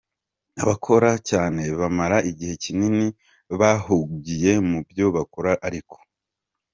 Abakora cyane bamara igihe kinini bahugiye mubyo bakora ariko .